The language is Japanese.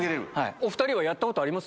お２人はやったことあります？